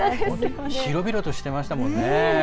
広々としていましたもんね。